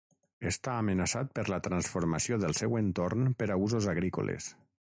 Està amenaçat per la transformació del seu entorn per a usos agrícoles.